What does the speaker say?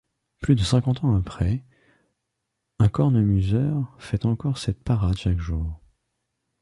Plus de cinquante ans après, un cornemuseur fait encore cette parade chaque jour.